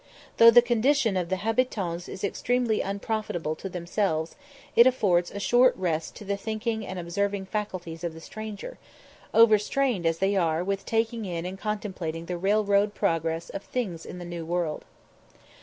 Though the condition of the habitans is extremely unprofitable to themselves, it affords a short rest to the thinking and observing faculties of the stranger, overstrained as they are with taking in and contemplating the railroad progress of things in the New World.